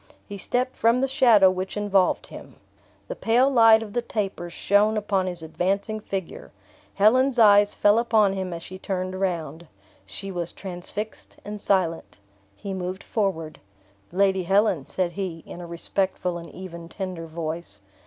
He stepped from the shadow which involved him. The pale light of the tapers shone upon his advancing figure. Helen's eyes fell upon him as she turned round. She was transfixed and silent. He moved forward. "Lady Helen," said he, in a respectful and even tender voice.